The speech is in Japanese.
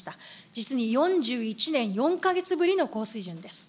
実に４１年４か月ぶりの高水準です。